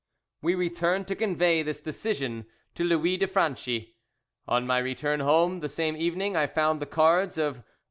We returned to convey this decision to Louis de Franchi. On my return home the same evening, I found the cards of MM.